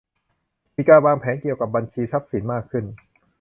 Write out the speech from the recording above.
มีการวางแผนเกี่ยวกับบัญชีทรัพย์สินมากขึ้น